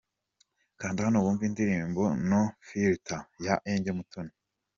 Kanda hano wumve indirimbo 'No filter' ya Angel Mutoni.